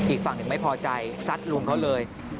อีกฝั่งหนึ่งไม่พอใจซัดลุงเขาเลย